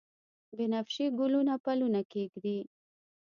بنفشیې ګلونه پلونه کښیږدي